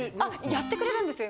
やってくれるんですよ